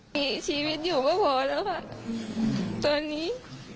มีชีวิตอยู่ก็พอแล้วค่ะตอนนี้